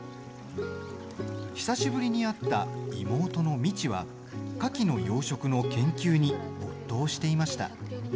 久しぶりに会った妹の未知はカキの養殖の研究に没頭していました。